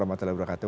waalaikumsalam wr wb